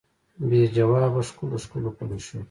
بې ځوابه ښکلو، ښکلو پلوشو ته